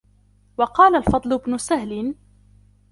وَقَالَ الْفَضْلُ بْنُ سَهْلٍ